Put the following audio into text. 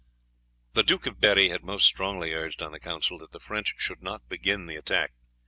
The Duke of Berri had most strongly urged on the council that the French should not begin the attack.